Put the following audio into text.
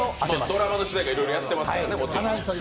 ドラマの主題歌、いろいろやられてますからね。